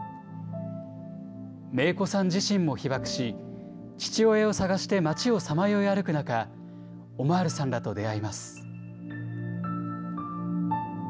明子さん自身も被爆し、父親を捜して町をさまよい歩く中、オマールさんらと出会います。